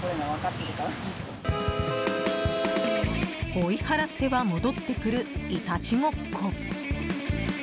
追い払っては戻ってくるいたちごっこ。